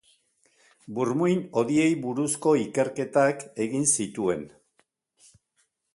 Burmuin-hodiei buruzko ikerketak egin zituen.